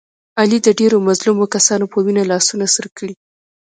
علي د ډېرو مظلومو کسانو په وینو لاسونه سره کړي.